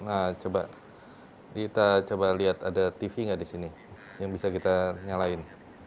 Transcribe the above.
nah coba kita coba lihat ada tv gak disini yang bisa kita nyalain